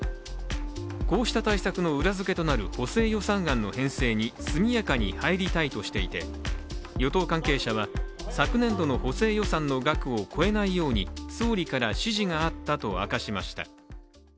こうした対策の裏付けとなる補正予算案の編成に速やかに入りたいとしていて与党関係者は昨年度の補正予算の額を超えないように総理から指示があったと明かしました。